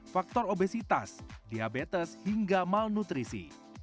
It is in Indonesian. faktor obesitas diabetes hingga malnutrisi